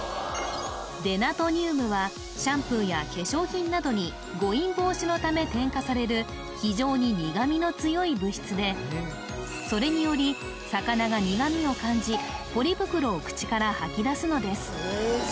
デナトニウムはシャンプーや化粧品などに誤飲防止のため添加される非常に苦味の強い物質でそれにより魚が苦味を感じポリ袋を口から吐き出すのです